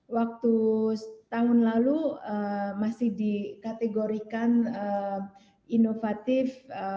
waktu tahun lalu masih dikategorikan inovatif